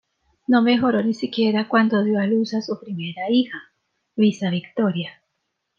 No mejoró ni siquiera cuando dio a luz a su primera hija, Luisa Victoria.